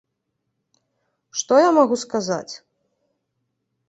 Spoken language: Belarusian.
Што я магу сказаць?